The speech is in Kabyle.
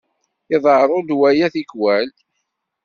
Iḍerru-d waya tikkwal.